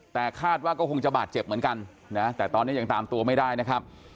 แต่คาดว่าก็คงจะบาดเจ็บเหมือนกันนะแต่ตอนนี้ยังตามตัวไม่ได้นะครับ